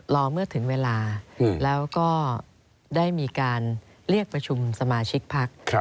เมื่อถึงเวลาแล้วก็ได้มีการเรียกประชุมสมาชิกพัก